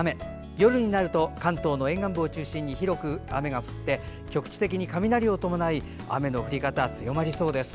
夜になると関東の沿岸部を中心に広く雨が降り局地的に雷を伴って雨の降り方が強まりそうです